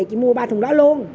chị mua ba thùng đó luôn